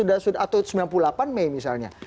atau sembilan puluh delapan mei misalnya